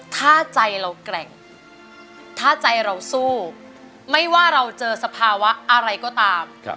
ถ้าใจเราแกร่งถ้าใจเราสู้ไม่ว่าเราเจอสภาวะอะไรก็ตาม